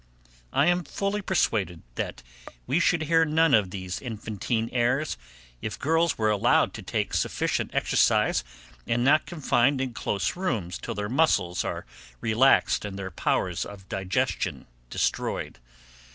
I am fully persuaded, that we should hear of none of these infantine airs, if girls were allowed to take sufficient exercise and not confined in close rooms till their muscles are relaxed and their powers of digestion destroyed.